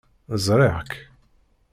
Ẓriɣ-k.